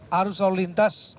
harus selalu lintas